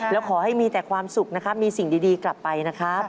แล้วขอให้มีแต่ความสุขนะครับมีสิ่งดีกลับไปนะครับ